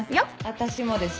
私もです。